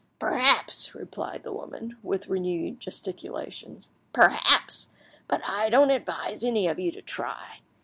"Perhaps," replied the woman, with renewed gesticulations, "perhaps; but I don't advise any of you to try.